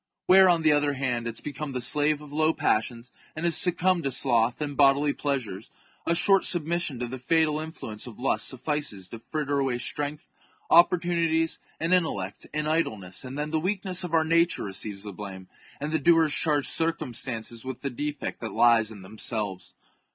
Where, on the other hand, it has become the slave of low passions and has succumbed to sloth and bodily pleasures, a short submission to the fatal influence of lust suffices to fritter away strength, opportunities, and intellect, in idleness, and then the weakness of our nature re ceives the blame, and the doers charge circumstances with the defect that lies in themselves.